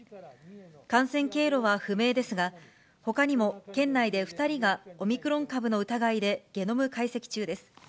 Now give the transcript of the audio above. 感染経路は不明ですが、ほかにも県内で２人が、オミクロン株の疑いでゲノム解析中です。